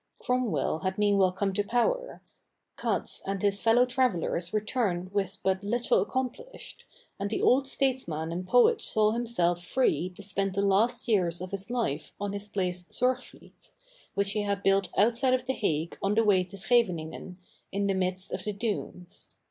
Cromwell had meanwhile come to power; Cats and his fellow travelers returned with but little accomplished, and the old statesman and poet saw himself free to spend the last years of his life on his place Zorgvliet, which he had built outside of The Hague on the way to Scheveningen, in the midst of the Dunes.